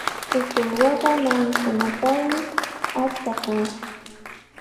Trutrwaqa naanikunatrawmi achka kan.